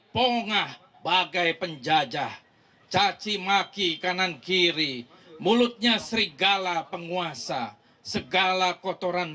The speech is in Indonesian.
pongah bagai penjajah cacimaki kanan kiri mulutnya serigala penguasa segala kotoran